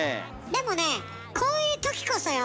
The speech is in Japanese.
でもねこういうときこそよ